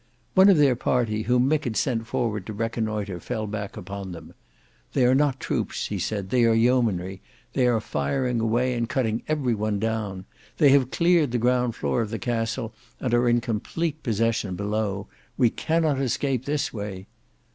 One of their party whom Mick had sent forward to reconnoitre fell back upon them. "They are not troops," he said; "they are yeomanry; they are firing away and cutting every one down. They have cleared the ground floor of the castle and are in complete possession below. We cannot escape this way."